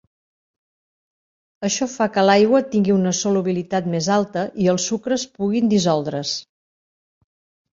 Això fa que l'aigua tingui una solubilitat més alta i els sucres puguin dissoldre’s.